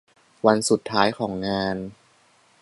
วันสุดท้ายของงาน